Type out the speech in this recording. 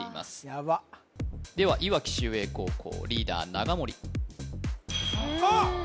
ヤバッではいわき秀英高校リーダー長森あっ！